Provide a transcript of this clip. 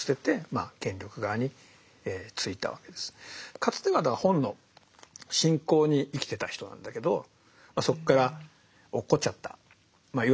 かつては本の信仰に生きてた人なんだけどそこから落っこっちゃったいわゆる堕天使。